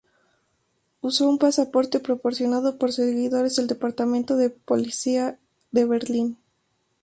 Usó un pasaporte proporcionado por seguidores del departamento de policía del Berlín.